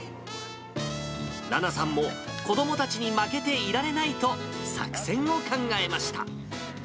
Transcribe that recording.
らなさんも子どもたちに負けていられないと、作戦を考えました。